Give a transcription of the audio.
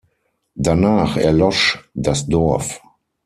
Danach erlosch das Dorf.